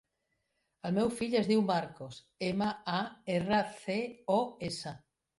El meu fill es diu Marcos: ema, a, erra, ce, o, essa.